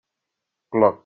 Cloc.